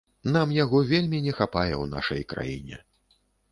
Нам яго вельмі не хапае ў нашай краіне.